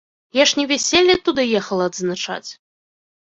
Я ж не вяселле туды ехала адзначаць.